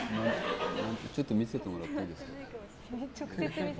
ちょっと見せてもらっていいですか。